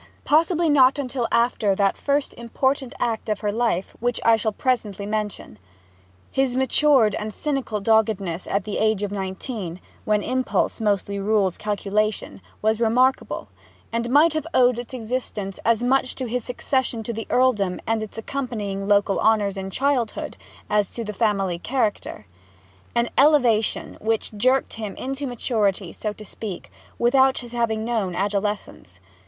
Possibly not until after that first important act of her life which I shall presently mention. His matured and cynical doggedness at the age of nineteen, when impulse mostly rules calculation, was remarkable, and might have owed its existence as much to his succession to the earldom and its accompanying local honours in childhood, as to the family character; an elevation which jerked him into maturity, so to speak, without his having known adolescence.